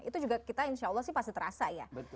itu juga kita insya allah sih pasti terasa ya